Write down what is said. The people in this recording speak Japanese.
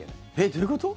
どういうこと？